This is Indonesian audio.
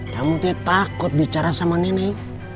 kamu takut bicara sama nenek